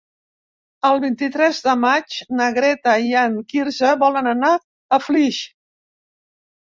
El vint-i-tres de maig na Greta i en Quirze volen anar a Flix.